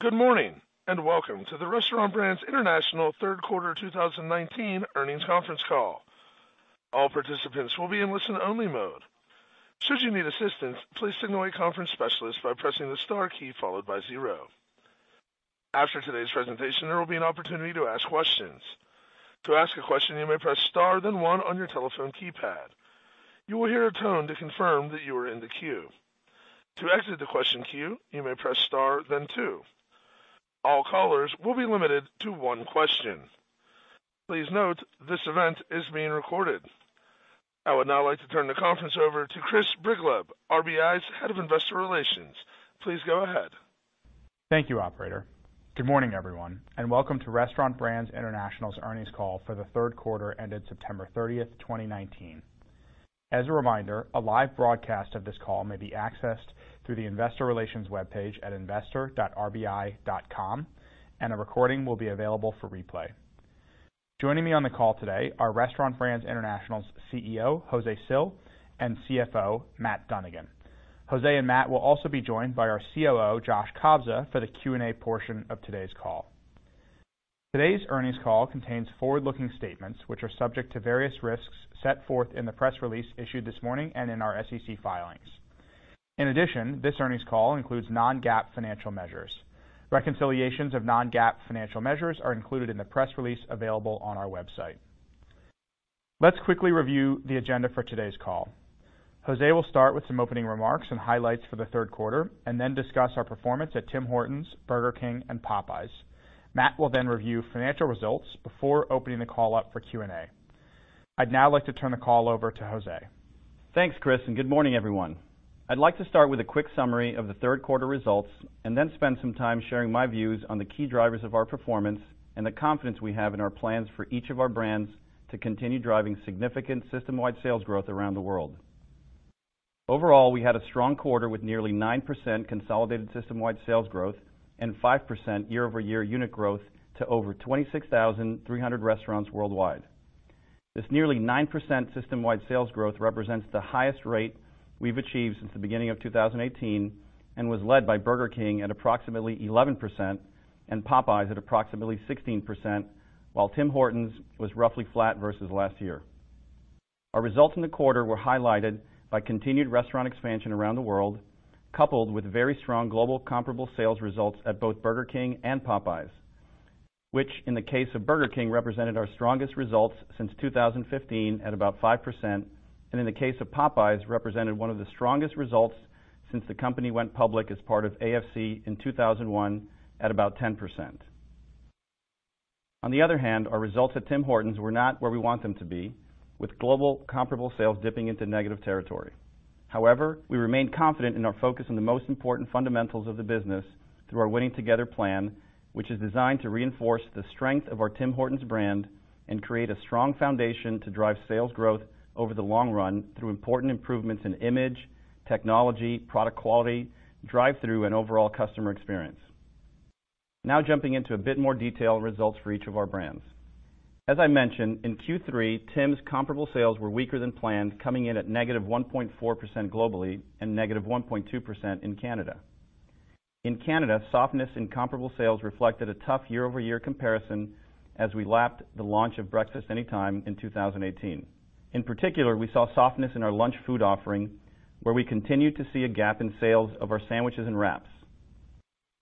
Good morning, welcome to the Restaurant Brands International third quarter 2019 earnings conference call. All participants will be in listen-only mode. Should you need assistance, please signal a conference specialist by pressing the star key, followed by zero. After today's presentation, there will be an opportunity to ask questions. To ask a question, you may press star, then one on your telephone keypad. You will hear a tone to confirm that you are in the queue. To exit the question queue, you may press star, then two. All callers will be limited to one question. Please note this event is being recorded. I would now like to turn the conference over to Chris Ciasullo, RBI's Head of Investor Relations. Please go ahead. Thank you, operator. Good morning, everyone, welcome to Restaurant Brands International's earnings call for the third quarter ended September 30, 2019. As a reminder, a live broadcast of this call may be accessed through the investor relations webpage at investor.rbi.com, and a recording will be available for replay. Joining me on the call today are Restaurant Brands International's CEO, Jose Cil, and CFO, Matthew Dunnigan. Jose and Matt will also be joined by our COO, Joshua Kobza, for the Q&A portion of today's call. Today's earnings call contains forward-looking statements which are subject to various risks set forth in the press release issued this morning and in our SEC filings. In addition, this earnings call includes non-GAAP financial measures. Reconciliations of non-GAAP financial measures are included in the press release available on our website. Let's quickly review the agenda for today's call. Jose will start with some opening remarks and highlights for the third quarter, and then discuss our performance at Tim Hortons, Burger King, and Popeyes. Matt will then review financial results before opening the call up for Q&A. I'd now like to turn the call over to Jose. Thanks, Chris. Good morning, everyone. I'd like to start with a quick summary of the third quarter results, and then spend some time sharing my views on the key drivers of our performance and the confidence we have in our plans for each of our brands to continue driving significant system-wide sales growth around the world. Overall, we had a strong quarter with nearly 9% consolidated system-wide sales growth and 5% year-over-year unit growth to over 26,300 restaurants worldwide. This nearly 9% system-wide sales growth represents the highest rate we've achieved since the beginning of 2018, and was led by Burger King at approximately 11% and Popeyes at approximately 16%, while Tim Hortons was roughly flat versus last year. Our results in the quarter were highlighted by continued restaurant expansion around the world, coupled with very strong global comparable sales results at both Burger King and Popeyes, which, in the case of Burger King, represented our strongest results since 2015 at about 5%, and in the case of Popeyes, represented one of the strongest results since the company went public as part of AFC in 2001 at about 10%. Our results at Tim Hortons were not where we want them to be, with global comparable sales dipping into negative territory. However, we remain confident in our focus on the most important fundamentals of the business through our Winning Together plan, which is designed to reinforce the strength of our Tim Hortons brand and create a strong foundation to drive sales growth over the long run through important improvements in image, technology, product quality, drive-through, and overall customer experience. Jumping into a bit more detail on results for each of our brands. As I mentioned, in Q3, Tim's comparable sales were weaker than planned, coming in at -1.4% globally and -1.2% in Canada. In Canada, softness in comparable sales reflected a tough year-over-year comparison as we lapped the launch of Breakfast Anytime in 2018. In particular, we saw softness in our lunch food offering, where we continued to see a gap in sales of our sandwiches and wraps.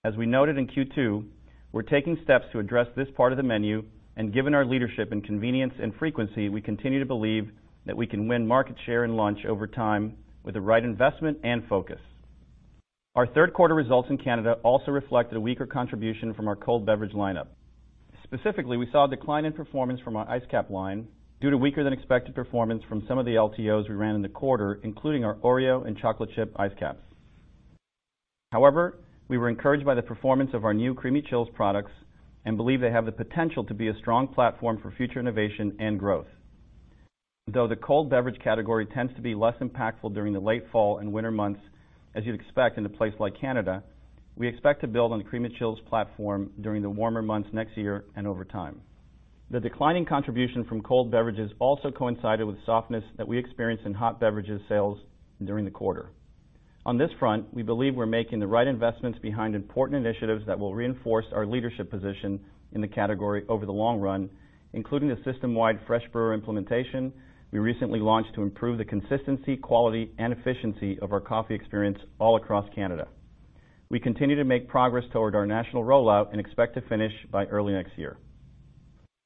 As we noted in Q2, we're taking steps to address this part of the menu, and given our leadership in convenience and frequency, we continue to believe that we can win market share and lunch over time with the right investment and focus. Our third quarter results in Canada also reflected a weaker contribution from our cold beverage lineup. Specifically, we saw a decline in performance from our Iced Capp line due to weaker than expected performance from some of the LTOs we ran in the quarter, including our Oreo and chocolate chip Iced Capps. However, we were encouraged by the performance of our new Creamy Chills products and believe they have the potential to be a strong platform for future innovation and growth. Though the cold beverage category tends to be less impactful during the late fall and winter months, as you'd expect in a place like Canada, we expect to build on the Creamy Chills platform during the warmer months next year and over time. The declining contribution from cold beverages also coincided with softness that we experienced in hot beverages sales during the quarter. On this front, we believe we're making the right investments behind important initiatives that will reinforce our leadership position in the category over the long run, including the system-wide Fresh Brewer implementation we recently launched to improve the consistency, quality, and efficiency of our coffee experience all across Canada. We continue to make progress toward our national rollout and expect to finish by early next year.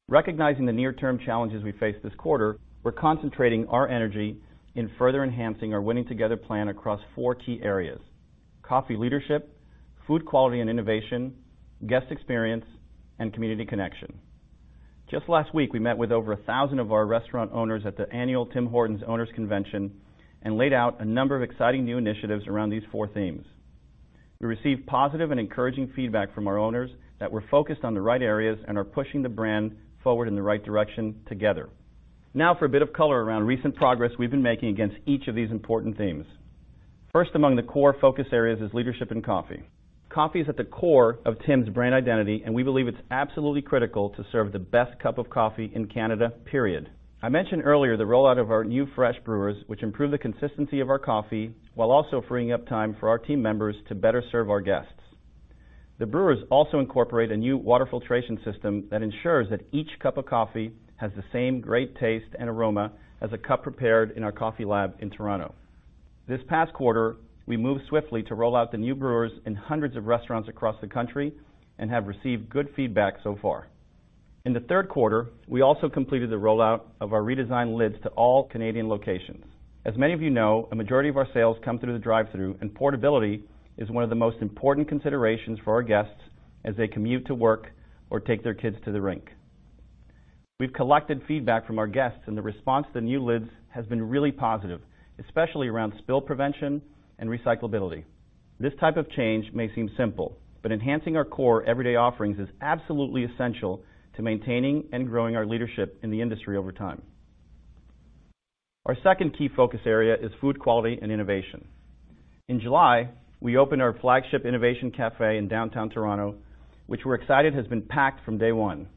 Recognizing the near-term challenges we face this quarter, we're concentrating our energy in further enhancing our Winning Together plan across four key areas, coffee leadership, food quality and innovation, guest experience, and community connection. Just last week, we met with over 1,000 of our restaurant owners at the annual Tim Hortons Owners Convention and laid out a number of exciting new initiatives around these four themes. We received positive and encouraging feedback from our owners that we're focused on the right areas and are pushing the brand forward in the right direction together. Now for a bit of color around recent progress we've been making against each of these important themes. First among the core focus areas is leadership in coffee. Coffee is at the core of Tim's brand identity, and we believe it's absolutely critical to serve the best cup of coffee in Canada, period. I mentioned earlier the rollout of our new Fresh Brewers, which improve the consistency of our coffee while also freeing up time for our team members to better serve our guests. The brewers also incorporate a new water filtration system that ensures that each cup of coffee has the same great taste and aroma as a cup prepared in our coffee lab in Toronto. This past quarter, we moved swiftly to roll out the new brewers in hundreds of restaurants across the country and have received good feedback so far. In the third quarter, we also completed the rollout of our redesigned lids to all Canadian locations. As many of you know, a majority of our sales come through the drive-thru. Portability is one of the most important considerations for our guests as they commute to work or take their kids to the rink. We've collected feedback from our guests, and the response to the new lids has been really positive, especially around spill prevention and recyclability. This type of change may seem simple, but enhancing our core everyday offerings is absolutely essential to maintaining and growing our leadership in the industry over time. Our second key focus area is food quality and innovation. In July, we opened our flagship innovation cafe in downtown Toronto, which we're excited has been packed from day one.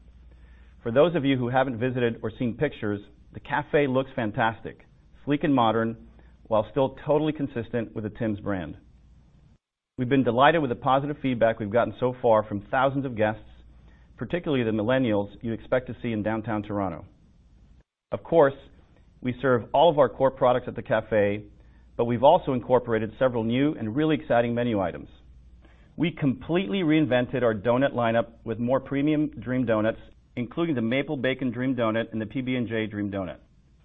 For those of you who haven't visited or seen pictures, the cafe looks fantastic, sleek and modern, while still totally consistent with the Tim's brand. We've been delighted with the positive feedback we've gotten so far from thousands of guests, particularly the Millennials you expect to see in downtown Toronto. Of course, we serve all of our core products at the cafe, but we've also incorporated several new and really exciting menu items. We completely reinvented our donut lineup with more premium Dream Donuts, including the Maple Bacon Dream Donut and the PB&J Dream Donut.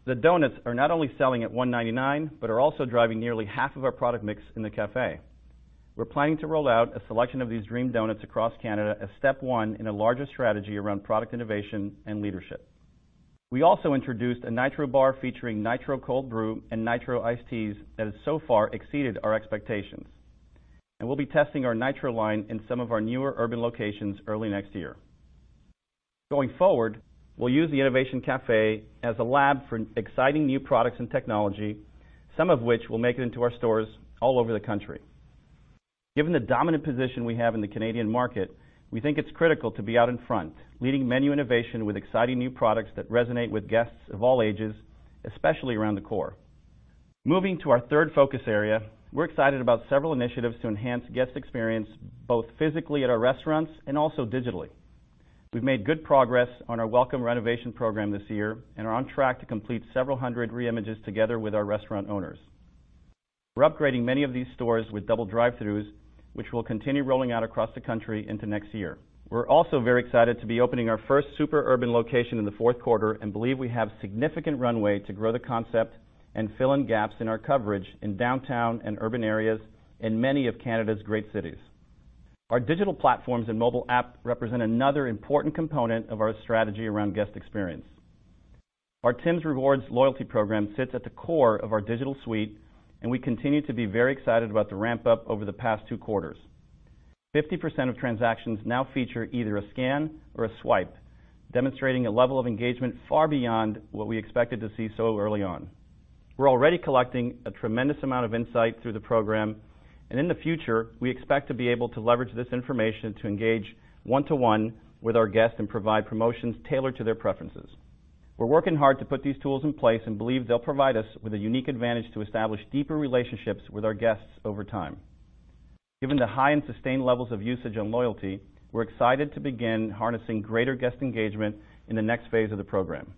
The donuts are not only selling at 1.99, but are also driving nearly half of our product mix in the cafe. We're planning to roll out a selection of these Dream Donuts across Canada as step one in a larger strategy around product innovation and leadership. We also introduced a Nitro bar featuring Nitro Cold Brew and Nitro Iced Teas that has so far exceeded our expectations, and we'll be testing our Nitro line in some of our newer urban locations early next year. Going forward, we'll use the innovation cafe as a lab for exciting new products and technology, some of which will make it into our stores all over the country. Given the dominant position we have in the Canadian market, we think it's critical to be out in front, leading menu innovation with exciting new products that resonate with guests of all ages, especially around the core. Moving to our third focus area, we're excited about several initiatives to enhance guest experience, both physically at our restaurants and also digitally. We've made good progress on our welcome renovation program this year and are on track to complete several hundred re-images together with our restaurant owners. We're upgrading many of these stores with double drive-thrus, which we'll continue rolling out across the country into next year. We're also very excited to be opening our first super urban location in the fourth quarter and believe we have significant runway to grow the concept and fill in gaps in our coverage in downtown and urban areas in many of Canada's great cities. Our digital platforms and mobile app represent another important component of our strategy around guest experience. Our Tims Rewards loyalty program sits at the core of our digital suite, and we continue to be very excited about the ramp-up over the past two quarters. 50% of transactions now feature either a scan or a swipe, demonstrating a level of engagement far beyond what we expected to see so early on. We're already collecting a tremendous amount of insight through the program, and in the future, we expect to be able to leverage this information to engage one-to-one with our guests and provide promotions tailored to their preferences. We're working hard to put these tools in place and believe they'll provide us with a unique advantage to establish deeper relationships with our guests over time. Given the high and sustained levels of usage and loyalty, we're excited to begin harnessing greater guest engagement in the next phase of the program.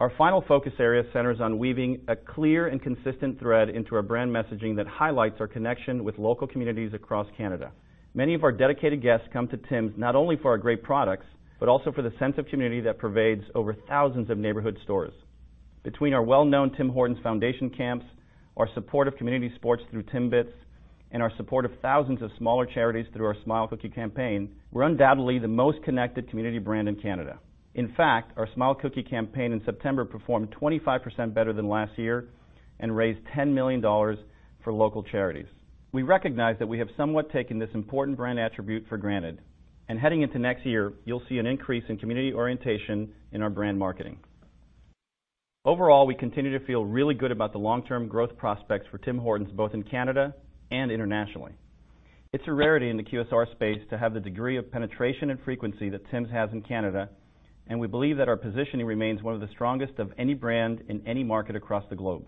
Our final focus area centers on weaving a clear and consistent thread into our brand messaging that highlights our connection with local communities across Canada. Many of our dedicated guests come to Tim's not only for our great products, but also for the sense of community that pervades over thousands of neighborhood stores. Between our well-known Tim Hortons Foundation Camps, our support of community sports through Timbits, and our support of thousands of smaller charities through our Smile Cookie campaign, we're undoubtedly the most connected community brand in Canada. In fact, our Smile Cookie campaign in September performed 25% better than last year and raised 10 million dollars for local charities. We recognize that we have somewhat taken this important brand attribute for granted, and heading into next year, you'll see an increase in community orientation in our brand marketing. Overall, we continue to feel really good about the long-term growth prospects for Tim Hortons, both in Canada and internationally. It's a rarity in the QSR space to have the degree of penetration and frequency that Tims has in Canada, and we believe that our positioning remains one of the strongest of any brand in any market across the globe.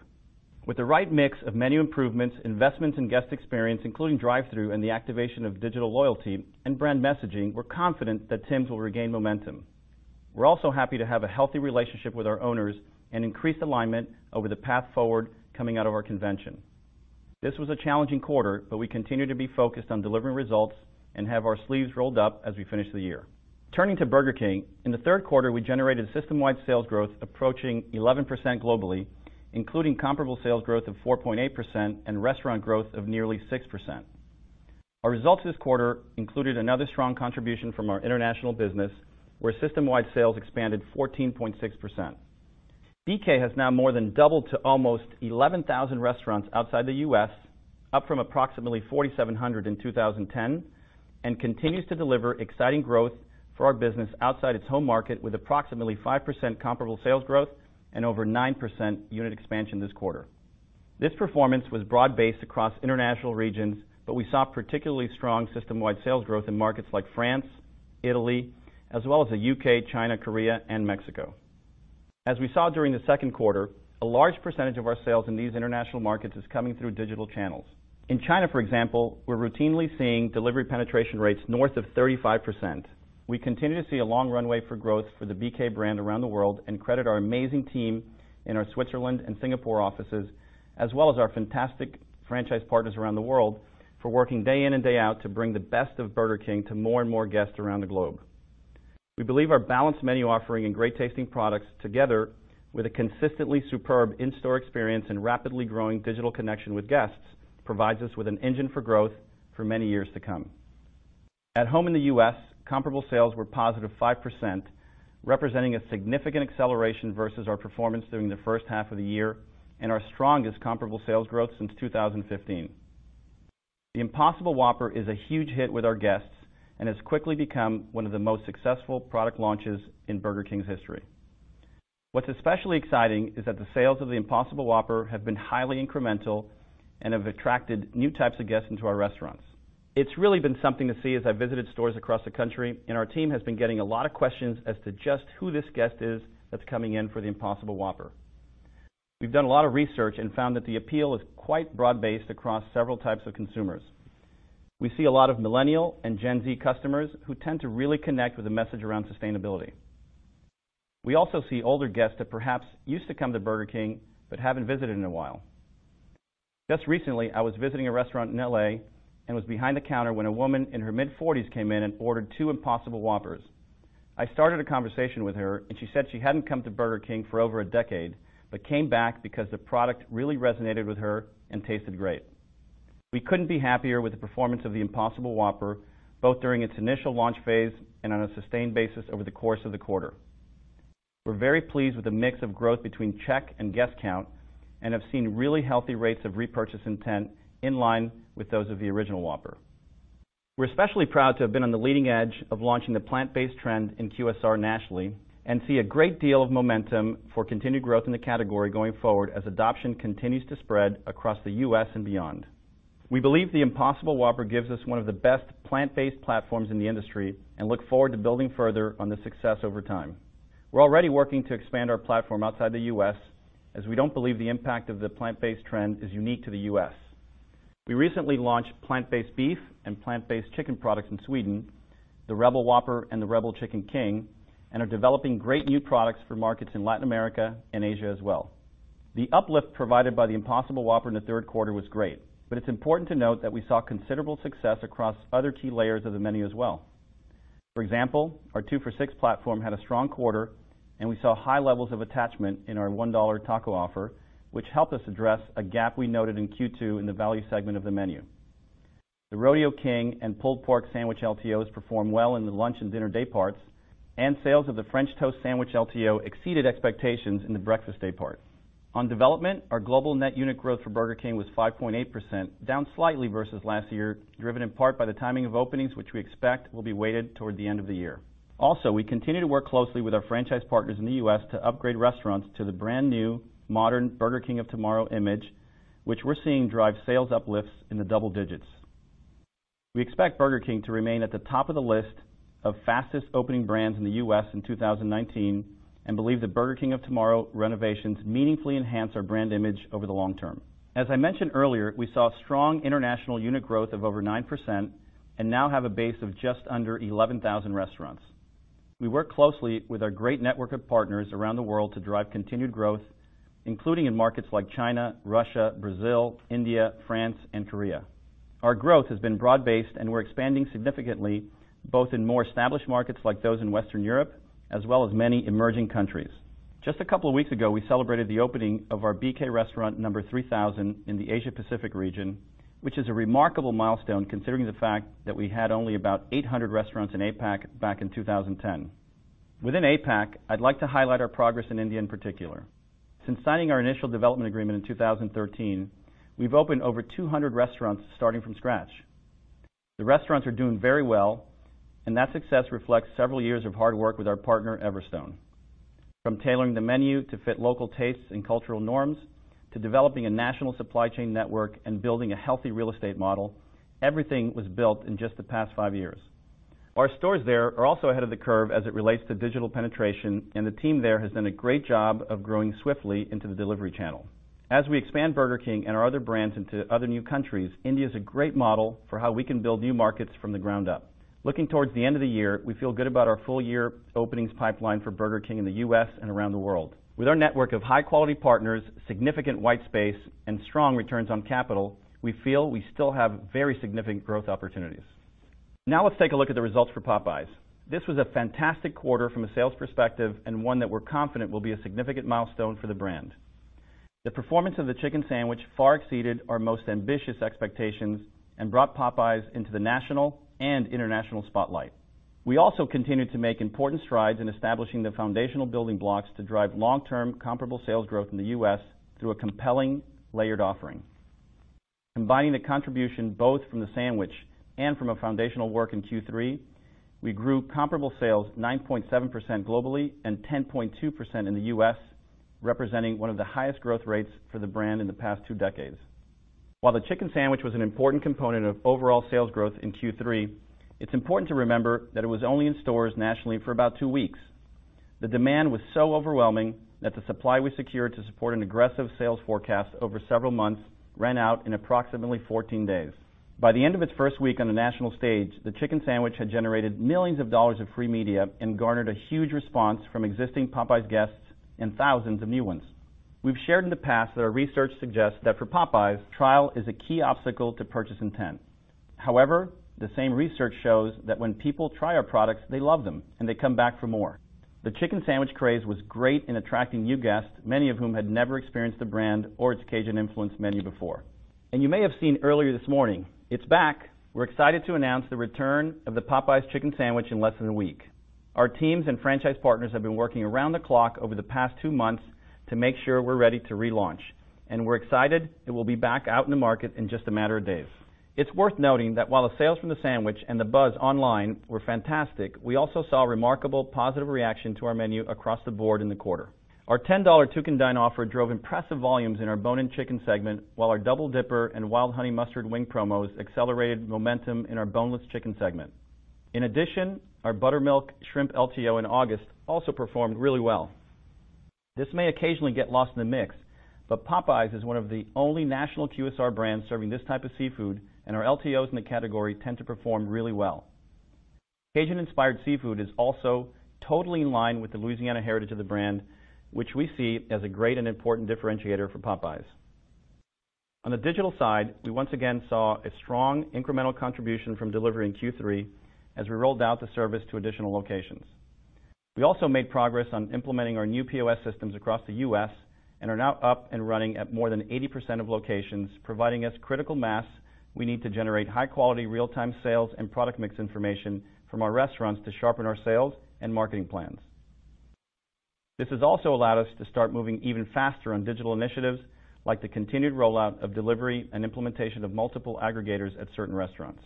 With the right mix of menu improvements, investments in guest experience, including drive-thru and the activation of digital loyalty and brand messaging, we're confident that Tim's will regain momentum. We're also happy to have a healthy relationship with our owners and increased alignment over the path forward coming out of our convention. This was a challenging quarter, but we continue to be focused on delivering results and have our sleeves rolled up as we finish the year. Turning to Burger King, in the third quarter, we generated system-wide sales growth approaching 11% globally, including comparable sales growth of 4.8% and restaurant growth of nearly 6%. Our results this quarter included another strong contribution from our international business, where system-wide sales expanded 14.6%. BK has now more than doubled to almost 11,000 restaurants outside the U.S., up from approximately 4,700 in 2010, and continues to deliver exciting growth for our business outside its home market, with approximately 5% comparable sales growth and over 9% unit expansion this quarter. This performance was broad-based across international regions, we saw particularly strong system-wide sales growth in markets like France, Italy, as well as the U.K., China, Korea, and Mexico. As we saw during the second quarter, a large percentage of our sales in these international markets is coming through digital channels. In China, for example, we're routinely seeing delivery penetration rates north of 35%. We continue to see a long runway for growth for the BK brand around the world and credit our amazing team in our Switzerland and Singapore offices, as well as our fantastic franchise partners around the world, for working day in and day out to bring the best of Burger King to more and more guests around the globe. We believe our balanced menu offering and great-tasting products, together with a consistently superb in-store experience and rapidly growing digital connection with guests, provides us with an engine for growth for many years to come. At home in the U.S., comparable sales were positive 5%, representing a significant acceleration versus our performance during the first half of the year and our strongest comparable sales growth since 2015. The Impossible Whopper is a huge hit with our guests and has quickly become one of the most successful product launches in Burger King's history. What's especially exciting is that the sales of the Impossible Whopper have been highly incremental and have attracted new types of guests into our restaurants. It's really been something to see as I visited stores across the country, and our team has been getting a lot of questions as to just who this guest is that's coming in for the Impossible Whopper. We've done a lot of research and found that the appeal is quite broad-based across several types of consumers. We see a lot of Millennial and Gen Z customers who tend to really connect with the message around sustainability. We also see older guests that perhaps used to come to Burger King but haven't visited in a while. Just recently, I was visiting a restaurant in L.A. and was behind the counter when a woman in her mid-40s came in and ordered two Impossible Whoppers. She said she hadn't come to Burger King for over a decade but came back because the product really resonated with her and tasted great. We couldn't be happier with the performance of the Impossible Whopper, both during its initial launch phase and on a sustained basis over the course of the quarter. We're very pleased with the mix of growth between check and guest count and have seen really healthy rates of repurchase intent in line with those of the original Whopper. We're especially proud to have been on the leading edge of launching the plant-based trend in QSR nationally and see a great deal of momentum for continued growth in the category going forward as adoption continues to spread across the U.S. and beyond. We believe the Impossible Whopper gives us one of the best plant-based platforms in the industry and look forward to building further on this success over time. We're already working to expand our platform outside the U.S., as we don't believe the impact of the plant-based trend is unique to the U.S. We recently launched plant-based beef and plant-based chicken products in Sweden, the Rebel Whopper and the Rebel Chicken King, and are developing great new products for markets in Latin America and Asia as well. The uplift provided by the Impossible Whopper in the third quarter was great. It's important to note that we saw considerable success across other key layers of the menu as well. For example, our 2 for 6 platform had a strong quarter. We saw high levels of attachment in our 1 dollar taco offer, which helped us address a gap we noted in Q2 in the value segment of the menu. The Rodeo King and Pulled Pork King LTOs performed well in the lunch and dinner day parts. Sales of the French Toast Sandwich LTO exceeded expectations in the breakfast day part. On development, our global net unit growth for Burger King was 5.8%, down slightly versus last year, driven in part by the timing of openings, which we expect will be weighted toward the end of the year. We continue to work closely with our franchise partners in the U.S. to upgrade restaurants to the brand-new modern Burger King of Tomorrow image, which we're seeing drive sales uplifts in the double digits. We expect Burger King to remain at the top of the list of fastest-opening brands in the U.S. in 2019 and believe that Burger King of Tomorrow renovations meaningfully enhance our brand image over the long term. As I mentioned earlier, we saw strong international unit growth of over 9% and now have a base of just under 11,000 restaurants. We work closely with our great network of partners around the world to drive continued growth, including in markets like China, Russia, Brazil, India, France, and Korea. Our growth has been broad-based, and we're expanding significantly, both in more established markets like those in Western Europe, as well as many emerging countries. Just a couple of weeks ago, we celebrated the opening of our BK restaurant number 3,000 in the Asia-Pacific region, which is a remarkable milestone considering the fact that we had only about 800 restaurants in APAC back in 2010. Within APAC, I'd like to highlight our progress in India in particular. Since signing our initial development agreement in 2013, we've opened over 200 restaurants starting from scratch. The restaurants are doing very well, and that success reflects several years of hard work with our partner, Everstone. From tailoring the menu to fit local tastes and cultural norms to developing a national supply chain network and building a healthy real estate model, everything was built in just the past five years. Our stores there are also ahead of the curve as it relates to digital penetration, and the team there has done a great job of growing swiftly into the delivery channel. As we expand Burger King and our other brands into other new countries, India's a great model for how we can build new markets from the ground up. Looking towards the end of the year, we feel good about our full-year openings pipeline for Burger King in the U.S. and around the world. With our network of high-quality partners, significant white space, and strong returns on capital, we feel we still have very significant growth opportunities. Now let's take a look at the results for Popeyes. This was a fantastic quarter from a sales perspective and one that we're confident will be a significant milestone for the brand. The performance of the chicken sandwich far exceeded our most ambitious expectations and brought Popeyes into the national and international spotlight. We also continued to make important strides in establishing the foundational building blocks to drive long-term comparable sales growth in the U.S. through a compelling layered offering. Combining the contribution both from the sandwich and from a foundational work in Q3, we grew comparable sales 9.7% globally and 10.2% in the U.S., representing one of the highest growth rates for the brand in the past two decades. While the chicken sandwich was an important component of overall sales growth in Q3, it's important to remember that it was only in stores nationally for about two weeks. The demand was so overwhelming that the supply we secured to support an aggressive sales forecast over several months ran out in approximately 14 days. By the end of its first week on the national stage, the chicken sandwich had generated millions of dollars of free media and garnered a huge response from existing Popeyes guests and thousands of new ones. We've shared in the past that our research suggests that for Popeyes, trial is a key obstacle to purchase intent. However, the same research shows that when people try our products, they love them, and they come back for more. The chicken sandwich craze was great in attracting new guests, many of whom had never experienced the brand or its Cajun-influenced menu before. You may have seen earlier this morning, it's back. We're excited to announce the return of the Popeyes chicken sandwich in less than one week. Our teams and franchise partners have been working around the clock over the past 2 months to make sure we're ready to relaunch, and we're excited it will be back out in the market in just a matter of days. It's worth noting that while the sales from the sandwich and the buzz online were fantastic, we also saw remarkable positive reaction to our menu across the board in the quarter. Our $10 Two Can Dine offer drove impressive volumes in our bone-in chicken segment, while our Double Dipper and Wild Honey Mustard wing promos accelerated momentum in our boneless chicken segment. In addition, our Buttermilk Shrimp LTO in August also performed really well. This may occasionally get lost in the mix, but Popeyes is one of the only national QSR brands serving this type of seafood, and our LTOs in the category tend to perform really well. Cajun-inspired seafood is also totally in line with the Louisiana heritage of the brand, which we see as a great and important differentiator for Popeyes. On the digital side, we once again saw a strong incremental contribution from delivery in Q3 as we rolled out the service to additional locations. We also made progress on implementing our new POS systems across the U.S. and are now up and running at more than 80% of locations, providing us critical mass we need to generate high-quality real-time sales and product mix information from our restaurants to sharpen our sales and marketing plans. This has also allowed us to start moving even faster on digital initiatives, like the continued rollout of delivery and implementation of multiple aggregators at certain restaurants.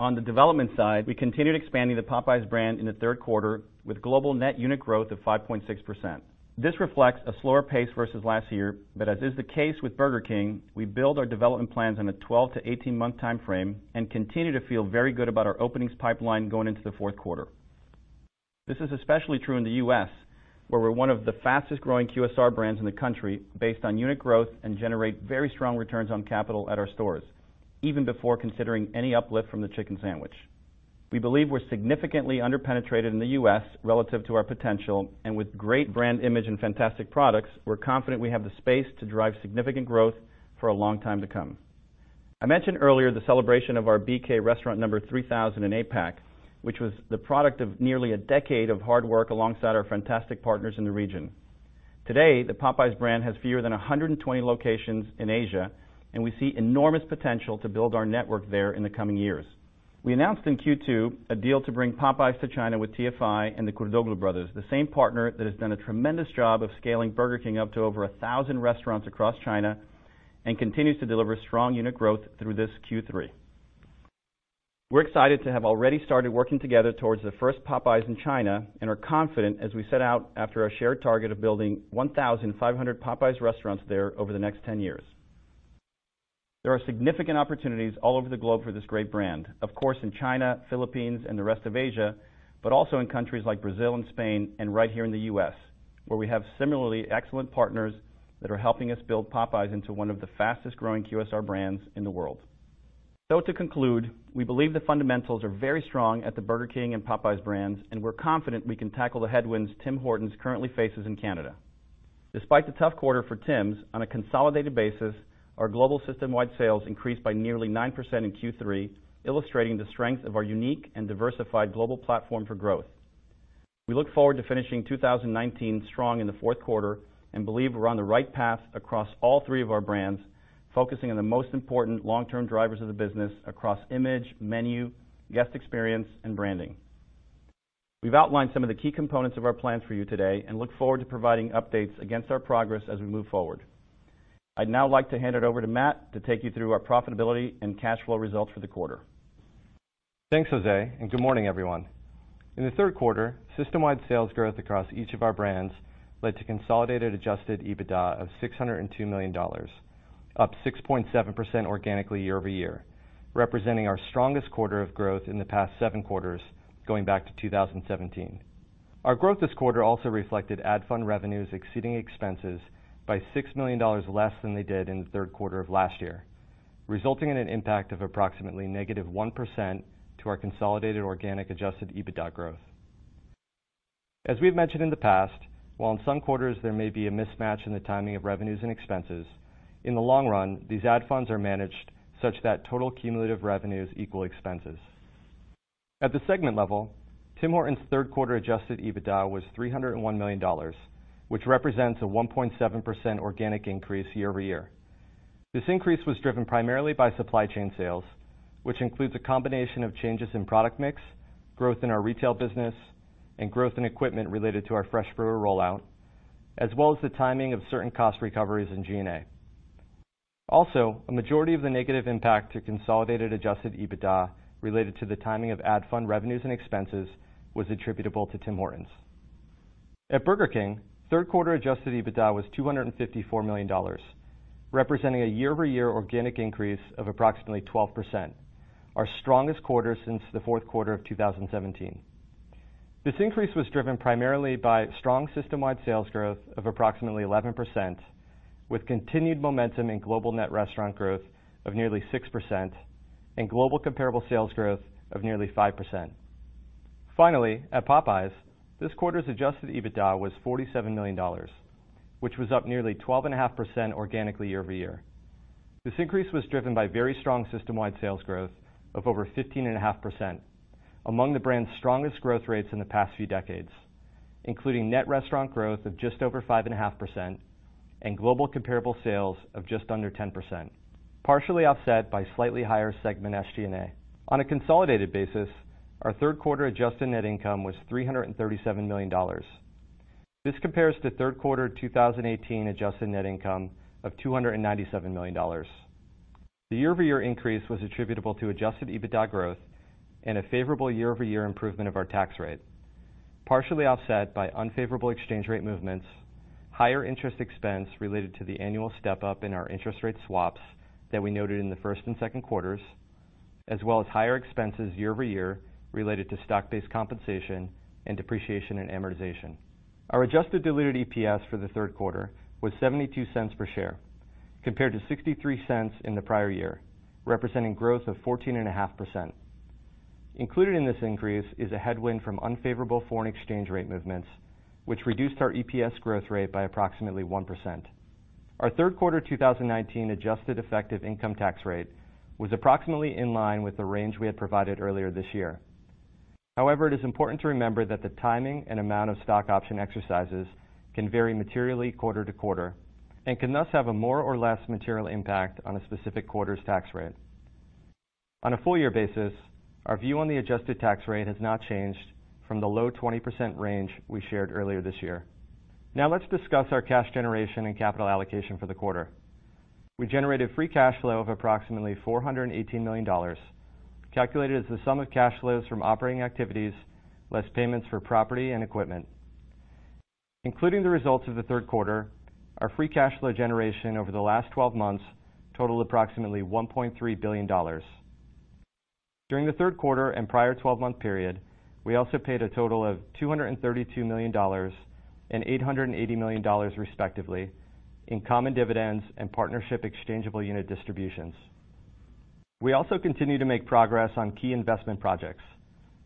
On the development side, we continued expanding the Popeyes brand in the third quarter with global net unit growth of 5.6%. This reflects a slower pace versus last year, but as is the case with Burger King, we build our development plans on a 12 to 18-month time frame and continue to feel very good about our openings pipeline going into the fourth quarter. This is especially true in the U.S., where we're one of the fastest-growing QSR brands in the country based on unit growth and generate very strong returns on capital at our stores, even before considering any uplift from the chicken sandwich. We believe we're significantly under-penetrated in the U.S. relative to our potential, and with great brand image and fantastic products, we're confident we have the space to drive significant growth for a long time to come. I mentioned earlier the celebration of our BK restaurant number 3,000 in APAC, which was the product of nearly a decade of hard work alongside our fantastic partners in the region. Today, the Popeyes brand has fewer than 120 locations in Asia, and we see enormous potential to build our network there in the coming years. We announced in Q2 a deal to bring Popeyes to China with TFI and the Kurdoğlu brothers, the same partner that has done a tremendous job of scaling Burger King up to over 1,000 restaurants across China and continues to deliver strong unit growth through this Q3. We're excited to have already started working together towards the first Popeyes in China and are confident as we set out after our shared target of building 1,500 Popeyes restaurants there over the next 10 years. There are significant opportunities all over the globe for this great brand, of course, in China, Philippines, and the rest of Asia, but also in countries like Brazil and Spain and right here in the U.S., where we have similarly excellent partners that are helping us build Popeyes into one of the fastest-growing QSR brands in the world. To conclude, we believe the fundamentals are very strong at the Burger King and Popeyes brands, and we're confident we can tackle the headwinds Tim Hortons currently faces in Canada. Despite the tough quarter for Tims, on a consolidated basis, our global system-wide sales increased by nearly 9% in Q3, illustrating the strength of our unique and diversified global platform for growth. We look forward to finishing 2019 strong in the fourth quarter and believe we're on the right path across all three of our brands, focusing on the most important long-term drivers of the business across image, menu, guest experience, and branding. We've outlined some of the key components of our plans for you today and look forward to providing updates against our progress as we move forward. I'd now like to hand it over to Matt to take you through our profitability and cash flow results for the quarter. Thanks, Jose, and good morning, everyone. In the third quarter, system-wide sales growth across each of our brands led to consolidated adjusted EBITDA of $602 million, up 6.7% organically year-over-year, representing our strongest quarter of growth in the past 7 quarters, going back to 2017. Our growth this quarter also reflected ad fund revenues exceeding expenses by $6 million less than they did in the third quarter of last year, resulting in an impact of approximately negative 1% to our consolidated organic adjusted EBITDA growth. As we've mentioned in the past, while in some quarters there may be a mismatch in the timing of revenues and expenses, in the long run, these ad funds are managed such that total cumulative revenues equal expenses. At the segment level, Tim Hortons' third quarter adjusted EBITDA was $301 million, which represents a 1.7% organic increase year-over-year. This increase was driven primarily by supply chain sales, which includes a combination of changes in product mix, growth in our retail business, and growth in equipment related to our Fresh Brewer rollout, as well as the timing of certain cost recoveries in G&A. A majority of the negative impact to consolidated adjusted EBITDA related to the timing of ad fund revenues and expenses was attributable to Tim Hortons. At Burger King, third quarter adjusted EBITDA was $254 million, representing a year-over-year organic increase of approximately 12%, our strongest quarter since the fourth quarter of 2017. This increase was driven primarily by strong system-wide sales growth of approximately 11%, with continued momentum in global net restaurant growth of nearly 6% and global comparable sales growth of nearly 5%. At Popeyes, this quarter's adjusted EBITDA was $47 million, which was up nearly 12.5% organically year-over-year. This increase was driven by very strong system-wide sales growth of over 15.5%, among the brand's strongest growth rates in the past few decades, including net restaurant growth of just over 5.5% and global comparable sales of just under 10%, partially offset by slightly higher segment SG&A. On a consolidated basis, our third quarter adjusted net income was $337 million. This compares to third quarter 2018 adjusted net income of $297 million. The year-over-year increase was attributable to adjusted EBITDA growth and a favorable year-over-year improvement of our tax rate, partially offset by unfavorable exchange rate movements, higher interest expense related to the annual step-up in our interest rate swaps that we noted in the first and second quarters, as well as higher expenses year-over-year related to stock-based compensation and depreciation and amortization. Our adjusted diluted EPS for the third quarter was $0.72 per share, compared to $0.63 in the prior year, representing growth of 14.5%. Included in this increase is a headwind from unfavorable foreign exchange rate movements, which reduced our EPS growth rate by approximately 1%. Our third quarter 2019 adjusted effective income tax rate was approximately in line with the range we had provided earlier this year. However, it is important to remember that the timing and amount of stock option exercises can vary materially quarter to quarter and can thus have a more or less material impact on a specific quarter's tax rate. On a full year basis, our view on the adjusted tax rate has not changed from the low 20% range we shared earlier this year. Now let's discuss our cash generation and capital allocation for the quarter. We generated free cash flow of approximately $418 million, calculated as the sum of cash flows from operating activities, less payments for property and equipment. Including the results of the third quarter, our free cash flow generation over the last 12 months totaled approximately $1.3 billion. During the third quarter and prior 12-month period, we also paid a total of $232 million and $880 million respectively in common dividends and partnership exchangeable unit distributions. We also continue to make progress on key investment projects,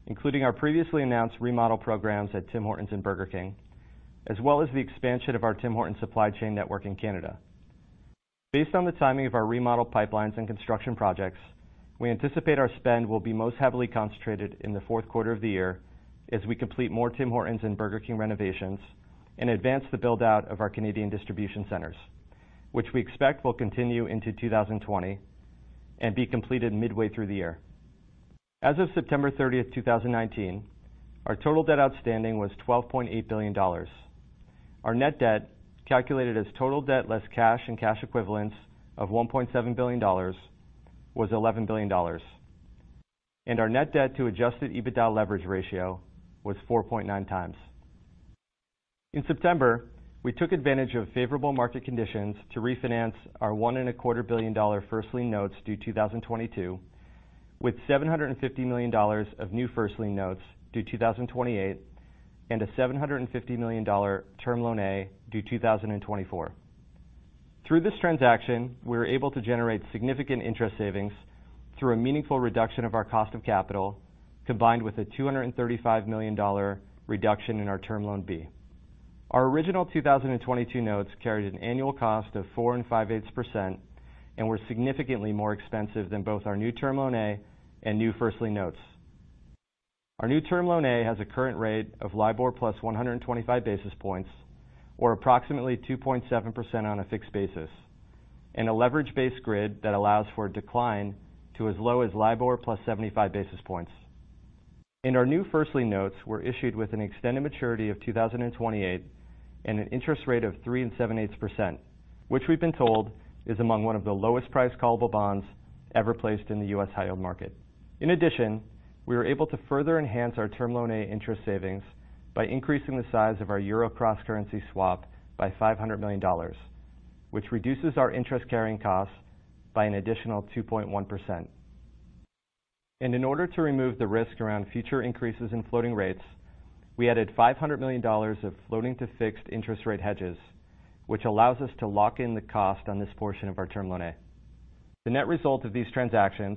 including our previously announced remodel programs at Tim Hortons and Burger King, as well as the expansion of our Tim Hortons supply chain network in Canada. Based on the timing of our remodel pipelines and construction projects, we anticipate our spend will be most heavily concentrated in the fourth quarter of the year as we complete more Tim Hortons and Burger King renovations and advance the build-out of our Canadian distribution centers, which we expect will continue into 2020 and be completed midway through the year. As of September 30th, 2019, our total debt outstanding was $12.8 billion. Our net debt, calculated as total debt less cash and cash equivalents of $1.7 billion, was $11 billion. Our net debt to adjusted EBITDA leverage ratio was 4.9 times. In September, we took advantage of favorable market conditions to refinance our $1.25 billion first lien notes due 2022 with $750 million of new first lien notes due 2028 and a $750 million Term Loan A due 2024. Through this transaction, we were able to generate significant interest savings through a meaningful reduction of our cost of capital, combined with a $235 million reduction in our Term Loan B. Our original 2022 notes carried an annual cost of 4.625% and were significantly more expensive than both our new Term Loan A and new first lien notes. Our new Term Loan A has a current rate of LIBOR plus 125 basis points or approximately 2.7% on a fixed basis, and a leverage-based grid that allows for a decline to as low as LIBOR plus 75 basis points. Our new first lien notes were issued with an extended maturity of 2028 and an interest rate of 3.875%, which we've been told is among one of the lowest priced callable bonds ever placed in the U.S. high-yield market. In addition, we were able to further enhance our Term Loan A interest savings by increasing the size of our euro cross-currency swap by $500 million, which reduces our interest carrying costs by an additional 2.1%. In order to remove the risk around future increases in floating rates, we added $500 million of floating to fixed interest rate hedges, which allows us to lock in the cost on this portion of our Term Loan A. The net result of these transactions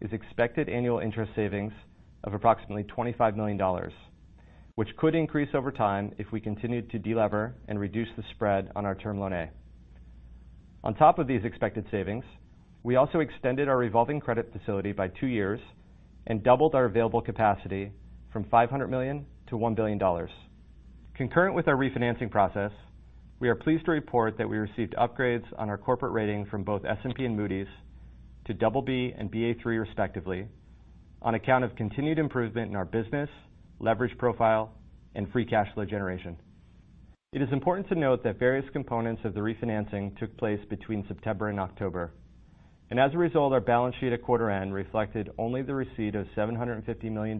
is expected annual interest savings of approximately $25 million, which could increase over time if we continued to de-lever and reduce the spread on our Term Loan A. On top of these expected savings, we also extended our revolving credit facility by two years and doubled our available capacity from $500 million to $1 billion. Concurrent with our refinancing process, we are pleased to report that we received upgrades on our corporate rating from both S&P and Moody's to BB and Ba3 respectively on account of continued improvement in our business, leverage profile, and free cash flow generation. As a result, our balance sheet at quarter end reflected only the receipt of $750 million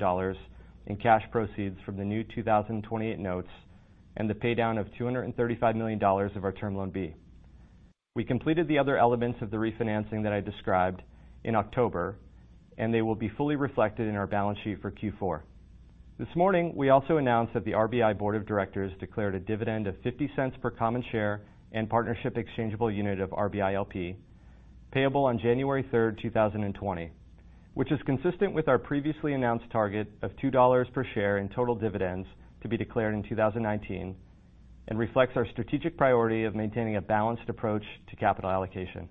in cash proceeds from the new 2028 notes and the paydown of $235 million of our Term Loan B. We completed the other elements of the refinancing that I described in October, and they will be fully reflected in our balance sheet for Q4. This morning, we also announced that the RBI Board of Directors declared a dividend of 0.50 per common share and partnership exchangeable unit of RBI LP, payable on January 3rd, 2020, which is consistent with our previously announced target of 2 dollars per share in total dividends to be declared in 2019 and reflects our strategic priority of maintaining a balanced approach to capital allocation.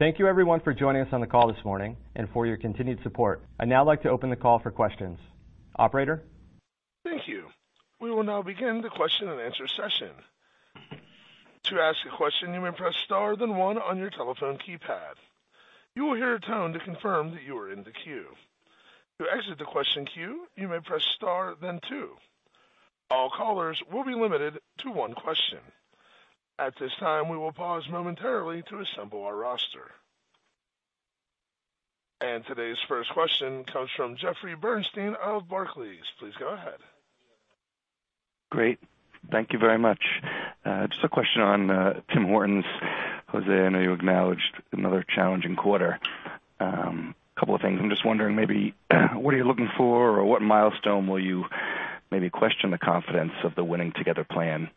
Thank you everyone for joining us on the call this morning and for your continued support. I'd now like to open the call for questions. Operator? Thank you. We will now begin the question and answer session. To ask a question, you may press star, then one on your telephone keypad. You will hear a tone to confirm that you are in the queue. To exit the question queue, you may press star, then two. All callers will be limited to one question. At this time, we will pause momentarily to assemble our roster. Today's first question comes from Jeffrey Bernstein of Barclays. Please go ahead. Great. Thank you very much. Just a question on Tim Hortons. Jose, I know you acknowledged another challenging quarter. Couple of things. I'm just wondering maybe what are you looking for, or what milestone will you maybe question the confidence of the Winning Together plan?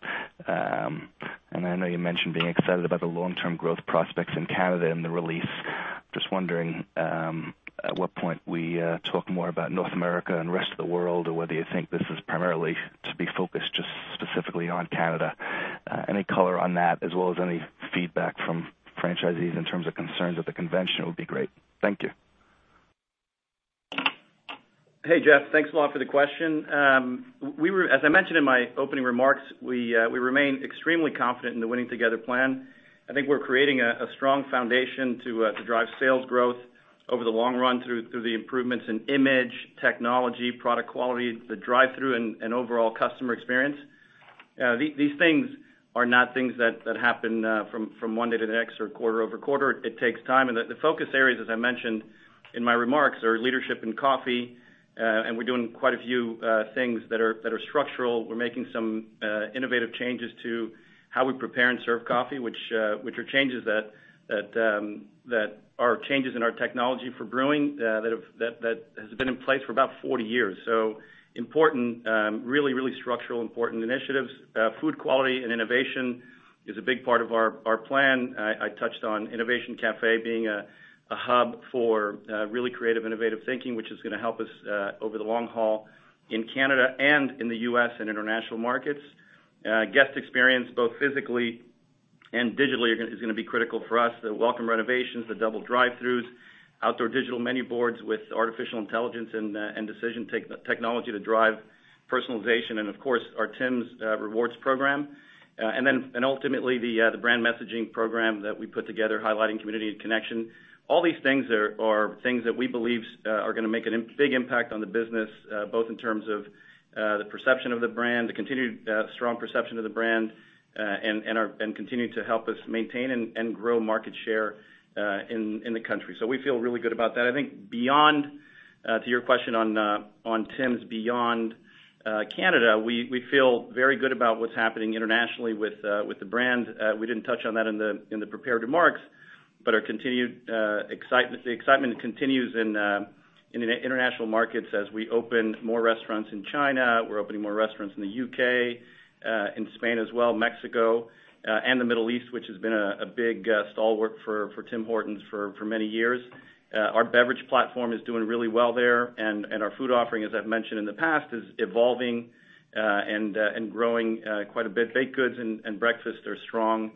I know you mentioned being excited about the long-term growth prospects in Canada in the release. Just wondering at what point we talk more about North America and rest of the world, or whether you think this is primarily to be focused just specifically on Canada. Any color on that, as well as any feedback from franchisees in terms of concerns at the convention would be great. Thank you. Hey, Jeff. Thanks a lot for the question. As I mentioned in my opening remarks, we remain extremely confident in the Winning Together plan. I think we're creating a strong foundation to drive sales growth over the long run through the improvements in image, technology, product quality, the drive-thru and overall customer experience. These things are not things that happen from one day to the next or quarter-over-quarter. It takes time. The focus areas, as I mentioned in my remarks, are leadership and coffee, and we're doing quite a few things that are structural. We're making some innovative changes to how we prepare and serve coffee, which are changes in our technology for brewing that has been in place for about 40 years. Important, really structural, important initiatives. Food quality and innovation is a big part of our plan. I touched on Innovation Cafe being a hub for really creative, innovative thinking, which is going to help us over the long haul in Canada and in the U.S. and international markets. Guest experience, both physically and digitally, is going to be critical for us. The welcome renovations, the double drive-thrus, outdoor digital menu boards with artificial intelligence and decision technology to drive personalization, and of course, our Tims Rewards program, and ultimately the brand messaging program that we put together highlighting community and connection. All these things are things that we believe are going to make a big impact on the business, both in terms of the perception of the brand, the continued strong perception of the brand, and continue to help us maintain and grow market share in the country. We feel really good about that. I think to your question on Tims beyond Canada, we feel very good about what's happening internationally with the brand. We didn't touch on that in the prepared remarks, but the excitement continues in international markets as we open more restaurants in China, we're opening more restaurants in the U.K., in Spain as well, Mexico, and the Middle East, which has been a big stalwart for Tim Hortons for many years. Our beverage platform is doing really well there, and our food offering, as I've mentioned in the past, is evolving and growing quite a bit. Baked goods and breakfast are strong